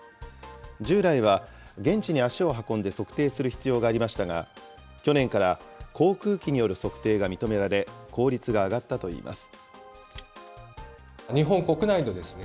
従来は現地に足を運んで測定する必要がありましたが、去年から航空機による測定が認められ、効率が上がったといいます。